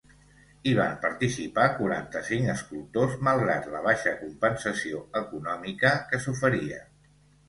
Hi van participar quaranta-cinc escultors malgrat la baixa compensació econòmica que s'oferia.